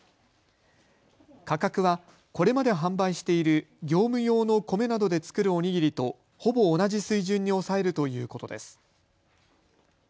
価格はこれまで販売している業務用の米などで作るお握りとほぼ同じ水準に抑えるということです。